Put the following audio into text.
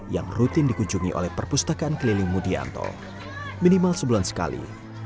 yang rutin dikunjungi oleh perpustakaan keliling mudianto minimal sebulan sekali